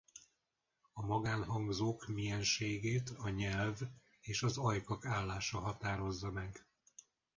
A magánhangzók milyenségét a nyelv és az ajkak állása határozza meg.